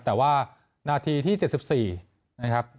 แต่ว่านาทีที่๗๔นะครับ